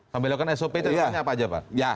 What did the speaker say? pembelokan sop itu artinya apa saja pak